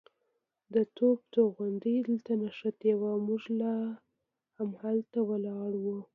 د توپ توغندی دلته نښتې وه، موږ لا همالته ولاړ وو.